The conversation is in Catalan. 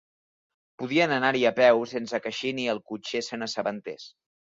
Podien anar-hi a peu, sense que així ni el cotxer se n'assabentés.